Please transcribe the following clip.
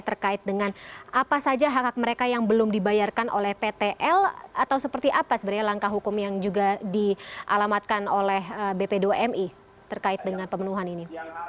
terkait dengan apa saja hak hak mereka yang belum dibayarkan oleh ptl atau seperti apa sebenarnya langkah hukum yang juga dialamatkan oleh bp dua mi terkait dengan pemenuhan ini